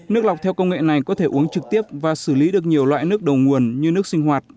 nước lọc theo công nghệ này có thể uống trực tiếp và xử lý được nhiều loại nước đầu nguồn như nước sinh hoạt